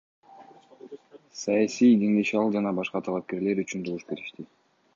Саясий кеңеш ал жана башка талапкерлер үчүн добуш беришти.